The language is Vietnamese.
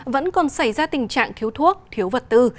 vẫn còn xảy ra tình trạng thiếu thuốc thiếu vật tư